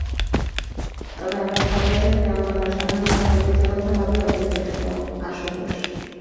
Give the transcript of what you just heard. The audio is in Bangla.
তবে আমরা সবাই জানি গ্রামবাংলার সাধারণ মানুষ ঐতিহ্যগতভাবেই অল্পে তুষ্ট, আশুতোষ।